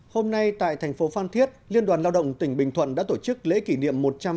hôm nay tại thành phố phan thiết liên đoàn lao động tỉnh bình thuận đã tổ chức lễ kỷ niệm một trăm ba mươi một